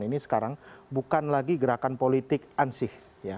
ini sekarang bukan lagi gerakan politik ansih